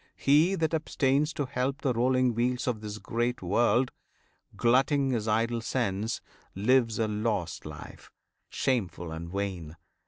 He that abstains To help the rolling wheels of this great world, Glutting his idle sense, lives a lost life, Shameful and vain.